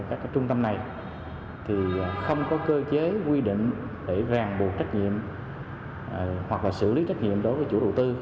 các trung tâm này thì không có cơ chế quy định để ràng buộc trách nhiệm hoặc là xử lý trách nhiệm đối với chủ đầu tư